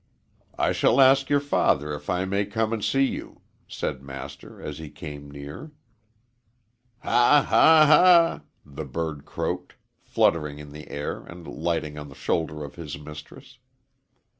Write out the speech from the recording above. "I shall ask your father if I may come and see you," said Master as he came near. "Ha! ha! ha!" the bird croaked, fluttering in the air and lighting on the shoulder of his mistress.